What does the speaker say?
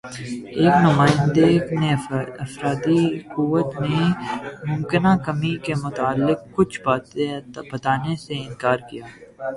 ایک نمائندے نے افرادی قوت میں ممکنہ کمی کے متعلق کچھ بتانے سے اِنکار کِیا